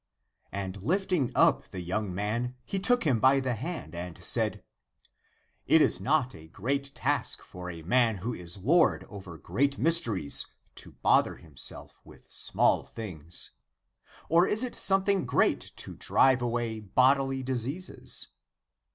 And lifting up the young man, he took him by the hand, and said, *' It is not a great task for a man who is lord over great mysteries to bother him self with small things. Or is it something great to drive away bodily diseases